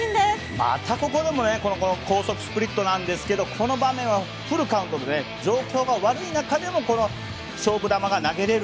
またここでも高速スプリットなんですがこの場面はフルカウントで状況が悪い中でも勝負球が投げられる。